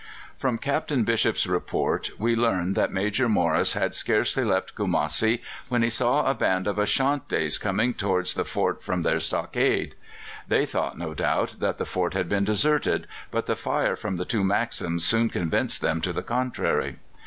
From Captain Bishop's report we learn that Major Morris had scarcely left Kumassi when he saw a band of Ashantis coming towards the fort from their stockade. They thought, no doubt, that the fort had been deserted, but the fire from two Maxims soon convinced them to the contrary.